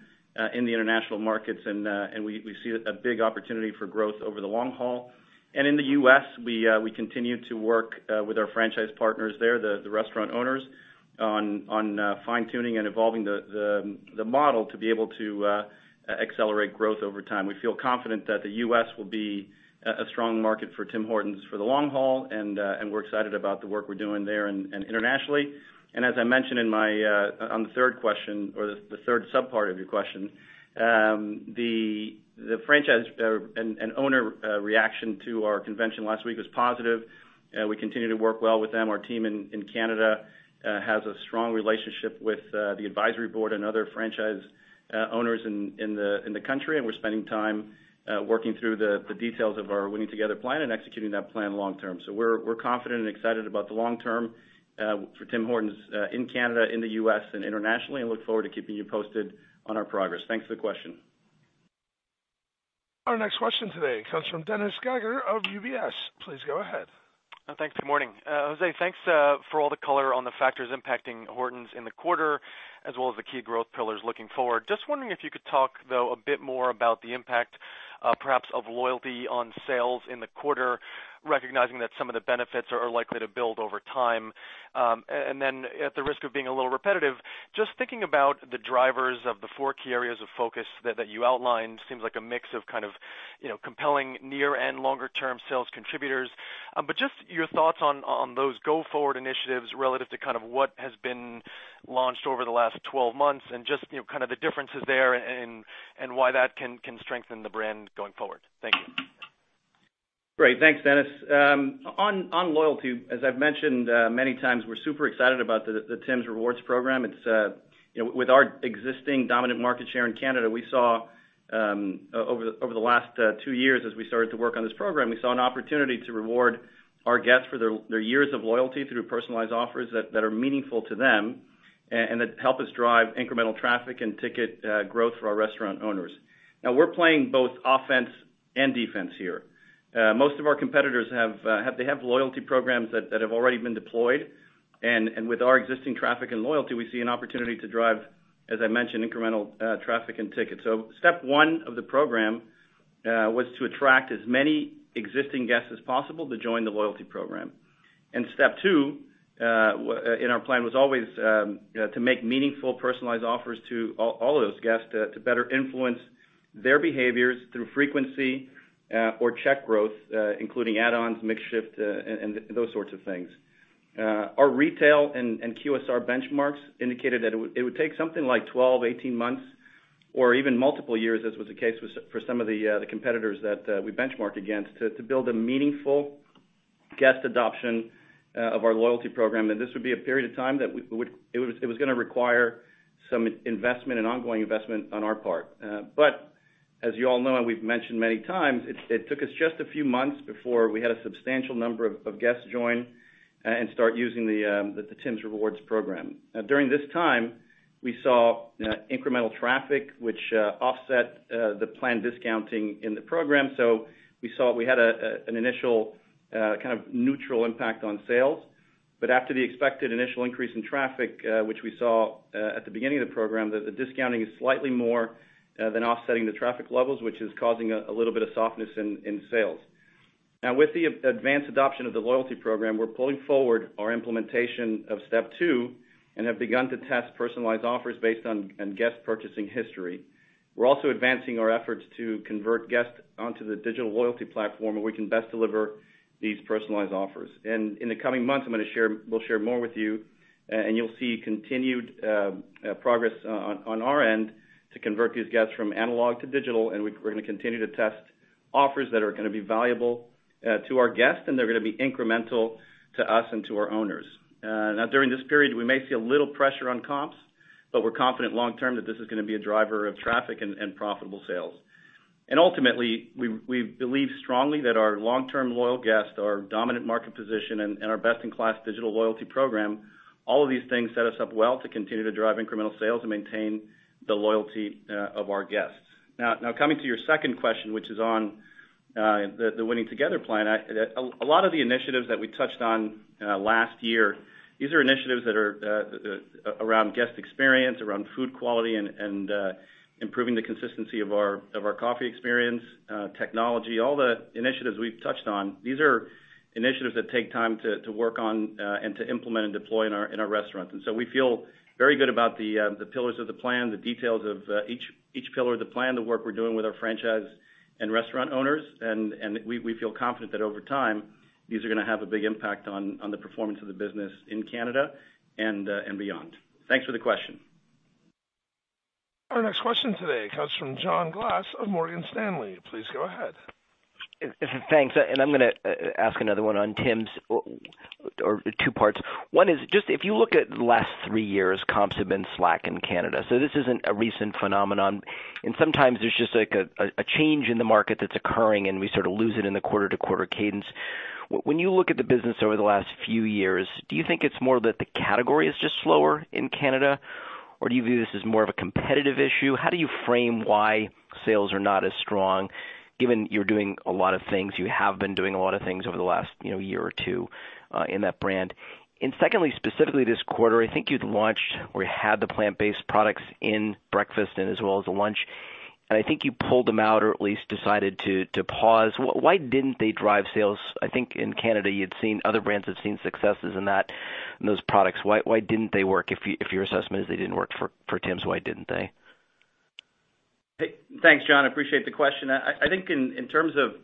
in the international markets, and we see a big opportunity for growth over the long haul. And in the U.S., we continue to work with our franchise partners there, the restaurant owners, on fine-tuning and evolving the model to be able to accelerate growth over time. We feel confident that the U.S. will be a strong market for Tim Hortons for the long haul, and we're excited about the work we're doing there and internationally. As I mentioned on the third question or the third sub-part of your question, the franchise and owner reaction to our convention last week was positive. We continue to work well with them. Our team in Canada has a strong relationship with the advisory board and other franchise owners in the country, and we're spending time working through the details of our Winning Together plan and executing that plan long term. We're confident and excited about the long term for Tim Hortons in Canada, in the U.S., and internationally, and look forward to keeping you posted on our progress. Thanks for the question. Our next question today comes from Dennis Geiger of UBS. Please go ahead. Thanks. Good morning. Jose, thanks for all the color on the factors impacting Hortons in the quarter, as well as the key growth pillars looking forward. Just wondering if you could talk, though, a bit more about the impact perhaps of loyalty on sales in the quarter, recognizing that some of the benefits are likely to build over time. Then at the risk of being a little repetitive, just thinking about the drivers of the four key areas of focus that you outlined seems like a mix of kind of compelling near and longer-term sales contributors, but just your thoughts on those go-forward initiatives relative to kind of what has been launched over the last 12 months and just kind of the differences there and why that can strengthen the brand going forward. Thank you. Great. Thanks, Dennis. On loyalty, as I've mentioned many times, we're super excited about the Tims Rewards program. With our existing dominant market share in Canada, over the last two years as we started to work on this program, we saw an opportunity to reward our guests for their years of loyalty through personalized offers that are meaningful to them and that help us drive incremental traffic and ticket growth for our restaurant owners. Now, we're playing both offense and defense here. Most of our competitors have loyalty programs that have already been deployed, and with our existing traffic and loyalty, we see an opportunity to drive, as I mentioned, incremental traffic and tickets. Step one of the program was to attract as many existing guests as possible to join the loyalty program. Step two in our plan was always to make meaningful, personalized offers to all of those guests to better influence their behaviors through frequency or check growth, including add-ons, mix shift, and those sorts of things. Our retail and QSR benchmarks indicated that it would take something like 12, 18 months or even multiple years, as was the case for some of the competitors that we benchmark against, to build a meaningful guest adoption of our loyalty program, and this would be a period of time that it was going to require some investment and ongoing investment on our part. But as you all know and we've mentioned many times, it took us just a few months before we had a substantial number of guests join and start using the Tims Rewards program. During this time, we saw incremental traffic, which offset the planned discounting in the program. We saw we had an initial kind of neutral impact on sales. After the expected initial increase in traffic, which we saw at the beginning of the program, the discounting is slightly more than offsetting the traffic levels, which is causing a little bit of softness in sales. Now, with the advanced adoption of the loyalty program, we're pulling forward our implementation of step two and have begun to test personalized offers based on guest purchasing history. We're also advancing our efforts to convert guests onto the digital loyalty platform, where we can best deliver these personalized offers. In the coming months, we'll share more with you, and you'll see continued progress on our end to convert these guests from analog to digital, and we're going to continue to test offers that are going to be valuable to our guests, and they're going to be incremental to us and to our owners. Now, during this period, we may see a little pressure on comps, but we're confident long term that this is going to be a driver of traffic and profitable sales. Ultimately, we believe strongly that our long-term loyal guests, our dominant market position, and our best-in-class digital loyalty program, all of these things set us up well to continue to drive incremental sales and maintain the loyalty of our guests. Now, coming to your second question, which is on the Winning Together plan. A lot of the initiatives that we touched on last year, these are initiatives that are around guest experience, around food quality, and improving the consistency of our coffee experience, technology, all the initiatives we've touched on. These are initiatives that take time to work on and to implement and deploy in our restaurants. We feel very good about the pillars of the Plan, the details of each pillar of the Plan, the work we're doing with our franchise and restaurant owners, and we feel confident that over time, these are going to have a big impact on the performance of the business in Canada and beyond. Thanks for the question. Our next question today comes from John Glass of Morgan Stanley. Please go ahead. Thanks. I'm going to ask another one on Tim's, or two parts. One is just if you look at the last three years, comps have been slack in Canada. This isn't a recent phenomenon, and sometimes there's just a change in the market that's occurring, and we sort of lose it in the quarter-to-quarter cadence. When you look at the business over the last few years, do you think it's more that the category is just slower in Canada, or do you view this as more of a competitive issue? How do you frame why sales are not as strong given you're doing a lot of things, you have been doing a lot of things over the last year or two in that brand? Secondly, specifically this quarter, I think you'd launched or you had the plant-based products in breakfast and as well as lunch, and I think you pulled them out or at least decided to pause. Why didn't they drive sales? I think in Canada, you had seen other brands had seen successes in those products. Why didn't they work? If your assessment is they didn't work for Tim's, why didn't they? Thanks, John. I appreciate the question. I think in terms of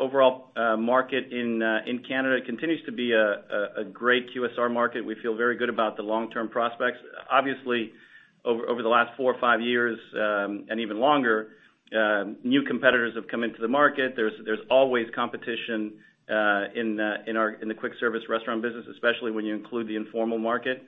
overall market in Canada, it continues to be a great QSR market. We feel very good about the long-term prospects. Obviously, over the last four or five years, and even longer, new competitors have come into the market. There's always competition in the quick service restaurant business, especially when you include the informal market.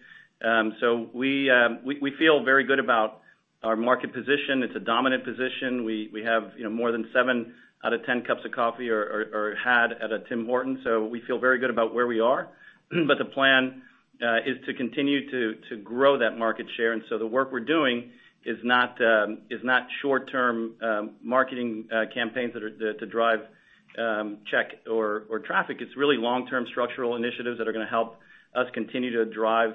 We feel very good about our market position. It's a dominant position. We have more than seven out of 10 cups of coffee are had at a Tim Hortons. We feel very good about where we are. The plan is to continue to grow that market share, and so the work we're doing is not short-term marketing campaigns to drive check or traffic. It's really long-term structural initiatives that are going to help us continue to drive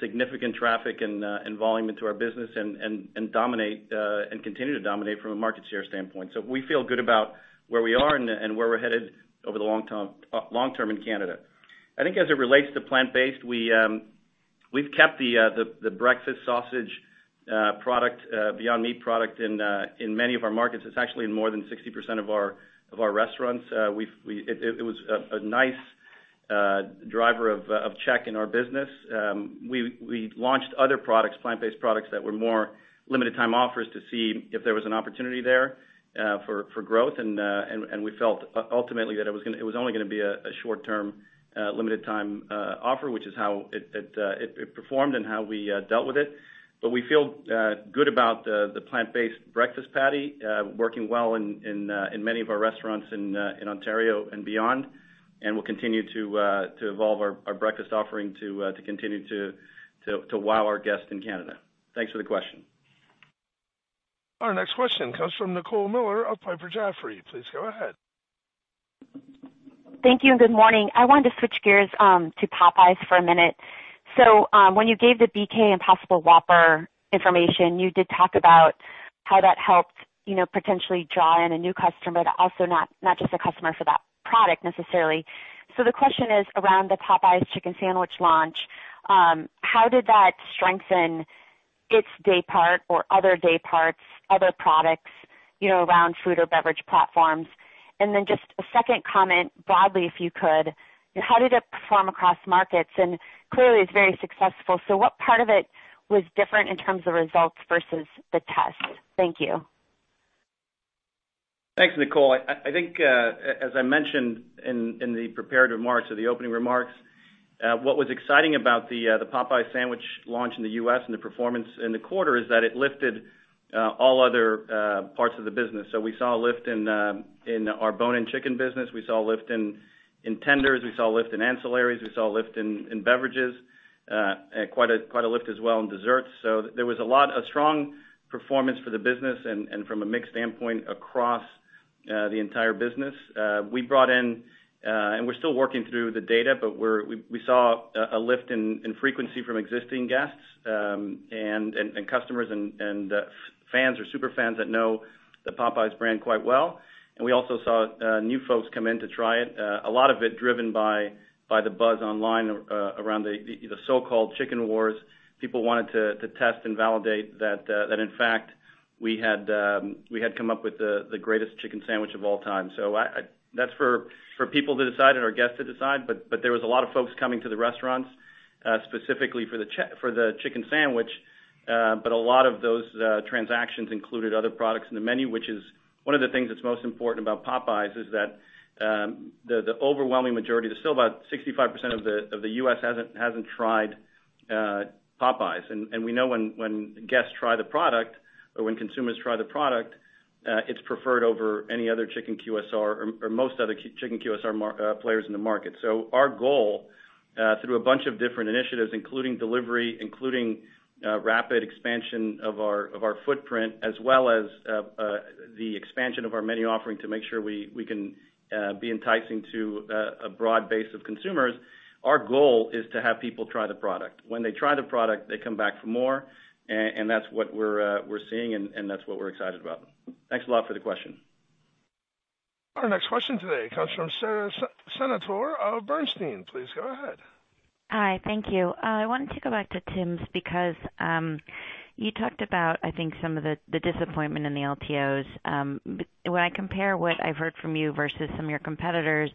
significant traffic and volume into our business and continue to dominate from a market share standpoint. We feel good about where we are and where we're headed over the long term in Canada. I think as it relates to plant-based, we've kept the breakfast sausage product, Beyond Meat product, in many of our markets. It's actually in more than 60% of our restaurants. It was a nice driver of check in our business. We launched other products, plant-based products, that were more limited-time offers to see if there was an opportunity there for growth, and we felt ultimately that it was only going to be a short-term, limited-time offer, which is how it performed and how we dealt with it. We feel good about the plant-based breakfast patty working well in many of our restaurants in Ontario and beyond, and we'll continue to evolve our breakfast offering to continue to wow our guests in Canada. Thanks for the question. Our next question comes from Nicole Miller of Piper Jaffray. Please go ahead. Thank you, and good morning. I wanted to switch gears to Popeyes for a minute. When you gave the BK Impossible Whopper information, you did talk about how that helped potentially draw in a new customer, but also not just a customer for that product necessarily. The question is around the Popeyes chicken sandwich launch. How did that strengthen its day part or other day parts, other products around food or beverage platforms? Then just a second comment, broadly, if you could, how did it perform across markets? Clearly it's very successful, so what part of it was different in terms of results versus the test? Thank you. Thanks, Nicole. I think, as I mentioned in the prepared remarks or the opening remarks, what was exciting about the Popeyes sandwich launch in the U.S. and the performance in the quarter is that it lifted all other parts of the business. We saw a lift in our bone-in chicken business. We saw a lift in tenders. We saw a lift in ancillaries. We saw a lift in beverages, quite a lift as well in desserts. There was a strong performance for the business and from a mix standpoint across the entire business. We brought in, and we're still working through the data, but we saw a lift in frequency from existing guests and customers and fans or super fans that know the Popeyes brand quite well. We also saw new folks come in to try it. A lot of it driven by the buzz online around the so-called Chicken Wars. People wanted to test and validate that, in fact, we had come up with the greatest chicken sandwich of all time. That's for people to decide and our guests to decide, but there was a lot of folks coming to the restaurants, specifically for the chicken sandwich. A lot of those transactions included other products in the menu, which is one of the things that's most important about Popeyes is that the overwhelming majority, there's still about 65% of the U.S. hasn't tried Popeyes. We know when guests try the product or when consumers try the product, it's preferred over any other chicken QSR or most other chicken QSR players in the market. Our goal through a bunch of different initiatives, including delivery, including rapid expansion of our footprint, as well as the expansion of our menu offering to make sure we can be enticing to a broad base of consumers. Our goal is to have people try the product. When they try the product, they come back for more, and that's what we're seeing, and that's what we're excited about. Thanks a lot for the question. Our next question today comes from Sara Senatore of Bernstein. Please go ahead. Hi. Thank you. I wanted to go back to Tims because you talked about, I think, some of the disappointment in the LTOs. When I compare what I've heard from you versus some of your competitors,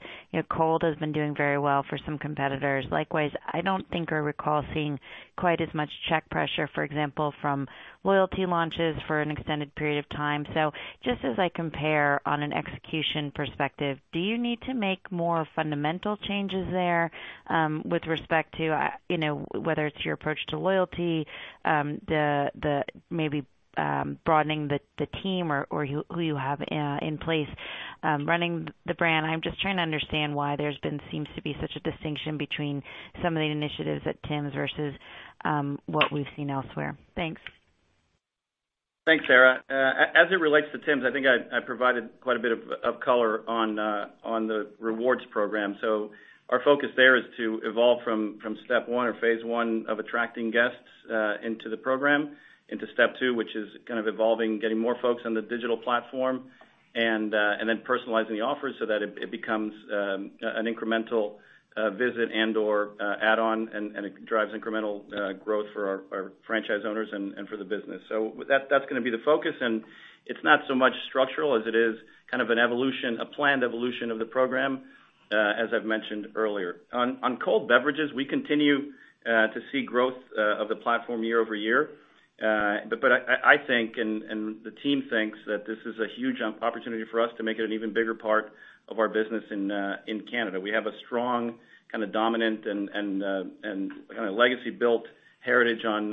cold has been doing very well for some competitors. Likewise, I don't think I recall seeing quite as much check pressure, for example, from loyalty launches for an extended period of time. Just as I compare on an execution perspective, do you need to make more fundamental changes there with respect to whether it's your approach to loyalty, maybe broadening the team or who you have in place running the brand? I'm just trying to understand why there seems to be such a distinction between some of the initiatives at Tims versus what we've seen elsewhere. Thanks. Thanks, Sara. As it relates to Tims, I think I provided quite a bit of color on the rewards program. Our focus there is to evolve from step 1 or phase 1 of attracting guests into the program into step 2, which is kind of evolving, getting more folks on the digital platform, and then personalizing the offers so that it becomes an incremental visit and/or add-on, and it drives incremental growth for our franchise owners and for the business. That's going to be the focus, and it's not so much structural as it is kind of an evolution, a planned evolution of the program, as I've mentioned earlier. On cold beverages, we continue to see growth of the platform year-over-year. I think, and the team thinks, that this is a huge opportunity for us to make it an even bigger part of our business in Canada. We have a strong kind of dominant and kind of legacy-built heritage on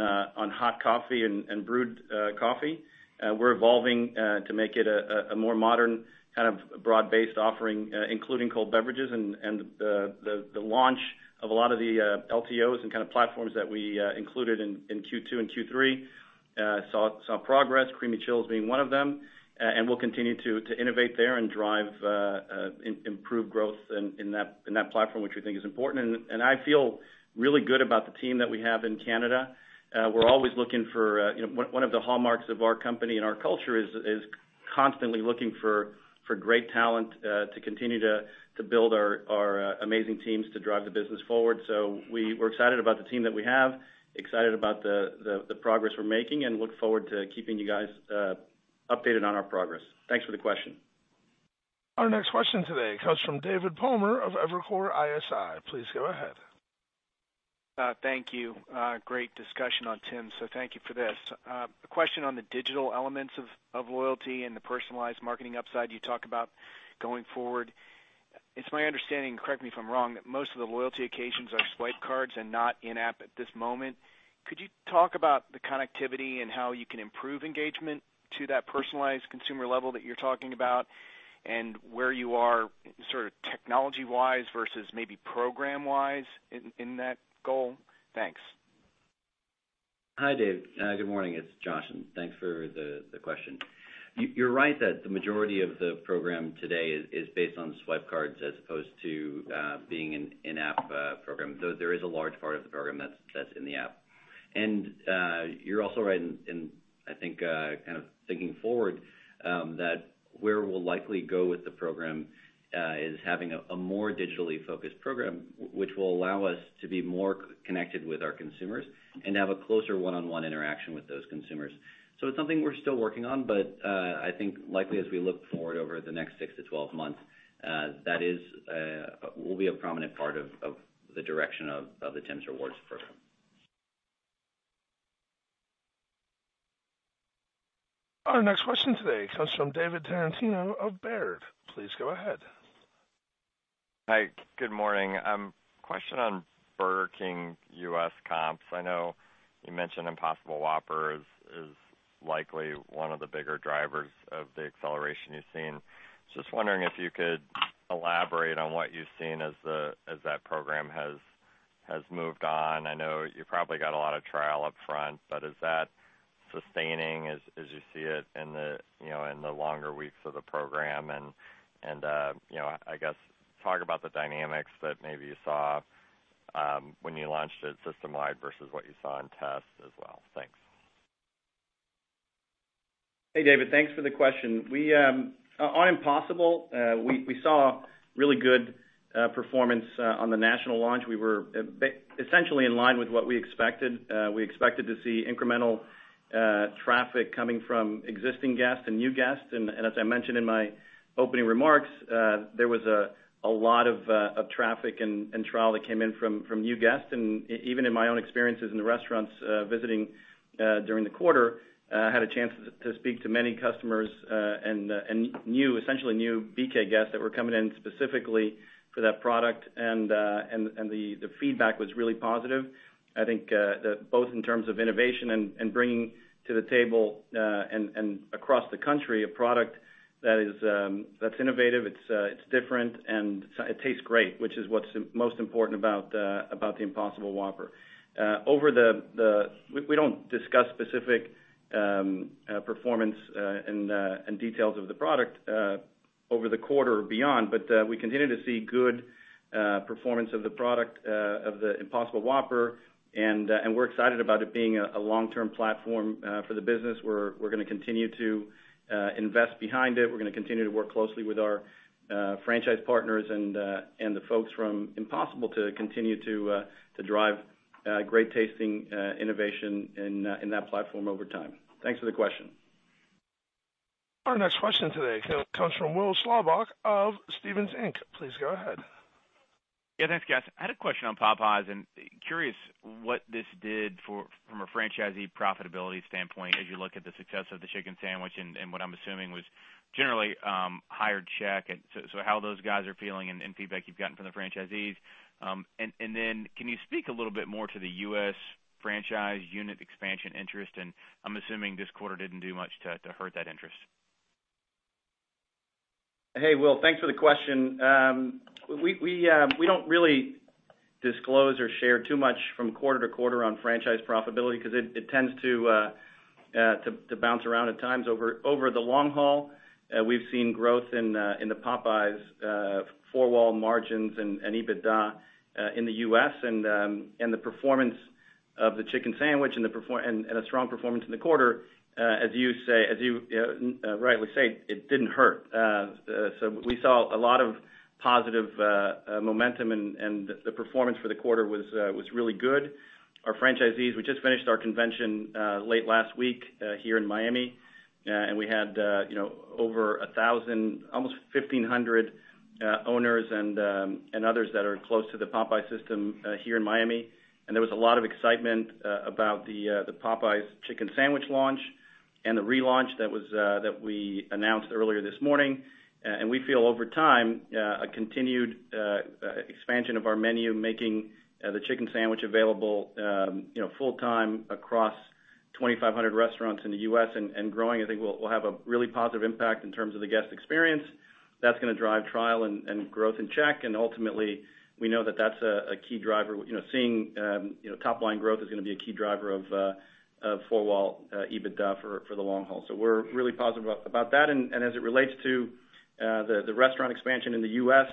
hot coffee and brewed coffee. We're evolving to make it a more modern kind of broad-based offering, including cold beverages and the launch of a lot of the LTOs and kind of platforms that we included in Q2 and Q3 saw progress, Creamy Chills being one of them. We'll continue to innovate there and drive improved growth in that platform, which we think is important. I feel really good about the team that we have in Canada. One of the hallmarks of our company and our culture is constantly looking for great talent to continue to build our amazing teams to drive the business forward. We're excited about the team that we have, excited about the progress we're making, and look forward to keeping you guys up to date. Updated on our progress. Thanks for the question. Our next question today comes from David Palmer of Evercore ISI. Please go ahead. Thank you. Great discussion on Tim, so thank you for this. A question on the digital elements of loyalty and the personalized marketing upside you talk about going forward. It's my understanding, correct me if I'm wrong, that most of the loyalty occasions are swipe cards and not in-app at this moment. Could you talk about the connectivity and how you can improve engagement to that personalized consumer level that you're talking about, and where you are technology-wise versus maybe program-wise in that goal? Thanks. Hi, Dave. Good morning. It's Josh, and thanks for the question. You're right that the majority of the program today is based on swipe cards as opposed to being an in-app program, though there is a large part of the program that's in the app. You're also right in, I think, thinking forward, that where we'll likely go with the program, is having a more digitally focused program, which will allow us to be more connected with our consumers and have a closer one-on-one interaction with those consumers. It's something we're still working on, but, I think likely as we look forward over the next six to 12 months, that will be a prominent part of the direction of the Tims Rewards program. Our next question today comes from David Tarantino of Baird. Please go ahead. Hi, good morning. Question on Burger King U.S. comps. I know you mentioned Impossible Whopper is likely one of the bigger drivers of the acceleration you've seen. Just wondering if you could elaborate on what you've seen as that program has moved on. I know you probably got a lot of trial upfront, but is that sustaining as you see it in the longer weeks of the program? I guess, talk about the dynamics that maybe you saw when you launched it system-wide versus what you saw in tests as well. Thanks. Hey, David. Thanks for the question. On Impossible, we saw really good performance on the national launch. We were essentially in line with what we expected. We expected to see incremental traffic coming from existing guests and new guests. As I mentioned in my opening remarks, there was a lot of traffic and trial that came in from new guests. Even in my own experiences in the restaurants visiting during the quarter, had a chance to speak to many customers, and essentially new BK guests that were coming in specifically for that product. The feedback was really positive. I think both in terms of innovation and bringing to the table, and across the country, a product that's innovative, it's different, and it tastes great, which is what's most important about the Impossible Whopper. We don't discuss specific performance and details of the product, over the quarter or beyond, but we continue to see good performance of the product, of the Impossible Whopper, and we're excited about it being a long-term platform for the business. We're going to continue to invest behind it. We're going to continue to work closely with our franchise partners and the folks from Impossible to continue to drive great-tasting innovation in that platform over time. Thanks for the question. Our next question today comes from Will Slabaugh of Stephens Inc. Please go ahead. Yeah, thanks, guys. I had a question on Popeyes and curious what this did from a franchisee profitability standpoint as you look at the success of the chicken sandwich and what I'm assuming was generally higher check, and so how those guys are feeling and feedback you've gotten from the franchisees. Can you speak a little bit more to the U.S. franchise unit expansion interest? I'm assuming this quarter didn't do much to hurt that interest. Hey, Will, thanks for the question. We don't really disclose or share too much from quarter to quarter on franchise profitability because it tends to bounce around at times. Over the long haul, we've seen growth in the Popeyes four-wall margins and EBITDA in the U.S., and the performance of the chicken sandwich and a strong performance in the quarter, as you rightly say, it didn't hurt. We saw a lot of positive momentum, and the performance for the quarter was really good. Our franchisees, we just finished our convention late last week here in Miami, and we had over 1,000, almost 1,500 owners and others that are close to the Popeyes system here in Miami. There was a lot of excitement about the Popeyes chicken sandwich launch and the relaunch that we announced earlier this morning. We feel over time a continued expansion of our menu, making the chicken sandwich available full-time across 2,500 restaurants in the U.S. and growing, I think will have a really positive impact in terms of the guest experience. That's going to drive trial and growth in check, and ultimately we know that that's a key driver. Seeing top line growth is going to be a key driver of four-wall EBITDA for the long haul. We're really positive about that, and as it relates to the restaurant expansion in the U.S.,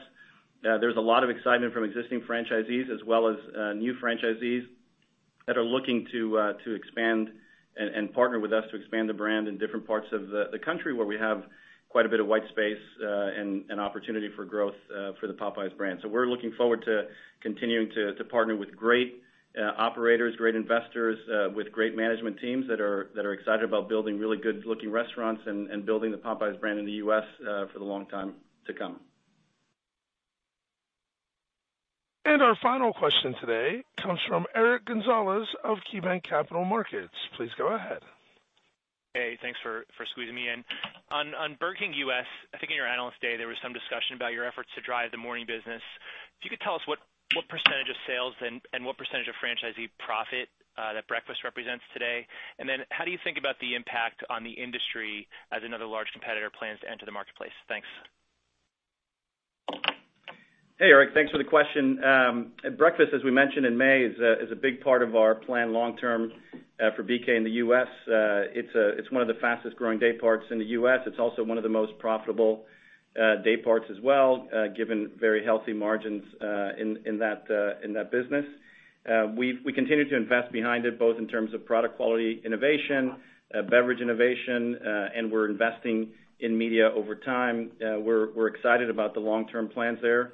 there's a lot of excitement from existing franchisees as well as new franchisees that are looking to expand and partner with us to expand the brand in different parts of the country where we have quite a bit of white space and opportunity for growth for the Popeyes brand. We're looking forward to continuing to partner with great operators, great investors, with great management teams that are excited about building really good-looking restaurants and building the Popeyes brand in the U.S. for the long time to come. Our final question today comes from Eric Gonzalez of KeyBanc Capital Markets. Please go ahead. Hey, thanks for squeezing me in. On Burger King U.S., I think in your Analyst Day, there was some discussion about your efforts to drive the morning business. If you could tell us what % of sales and what % of franchisee profit that breakfast represents today, how do you think about the impact on the industry as another large competitor plans to enter the marketplace? Hey, Eric. Thanks for the question. Breakfast, as we mentioned in May, is a big part of our plan long-term for BK in the U.S. It's one of the fastest-growing day parts in the U.S. It's also one of the most profitable day parts as well, given very healthy margins in that business. We continue to invest behind it, both in terms of product quality innovation, beverage innovation, and we're investing in media over time. We're excited about the long-term plans there.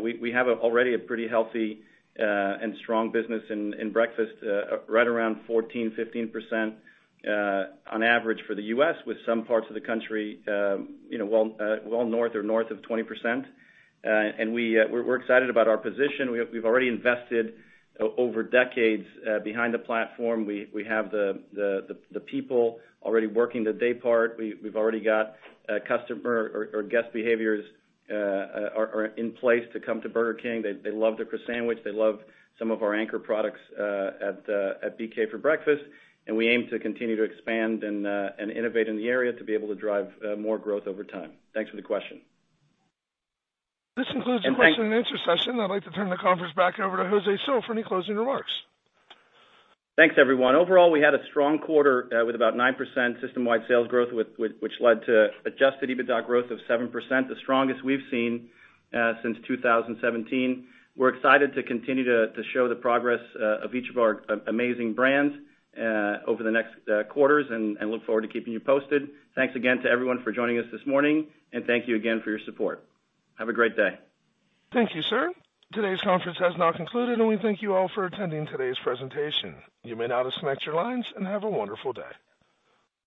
We have already a pretty healthy and strong business in breakfast, right around 14%, 15% on average for the U.S., with some parts of the country well north or north of 20%. We're excited about our position. We've already invested over decades behind the platform. We have the people already working the day part. We've already got customer or guest behaviors are in place to come to Burger King. They love their Croissan'wich. They love some of our anchor products at BK for breakfast. We aim to continue to expand and innovate in the area to be able to drive more growth over time. Thanks for the question. This concludes the question and answer session. I'd like to turn the conference back over to Jose Cil for any closing remarks. Thanks, everyone. Overall, we had a strong quarter with about 9% system-wide sales growth, which led to adjusted EBITDA growth of 7%, the strongest we've seen since 2017. We're excited to continue to show the progress of each of our amazing brands over the next quarters and look forward to keeping you posted. Thanks again to everyone for joining us this morning, and thank you again for your support. Have a great day. Thank you, sir. Today's conference has now concluded, and we thank you all for attending today's presentation. You may now disconnect your lines and have a wonderful day.